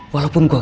walaupun gue gagal